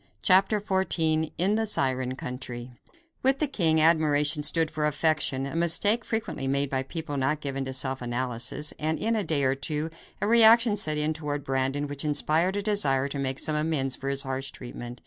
CHAPTER XIV In the Siren Country With the king, admiration stood for affection, a mistake frequently made by people not given to self analysis, and in a day or two a reaction set in toward Brandon which inspired a desire to make some amends for his harsh treatment.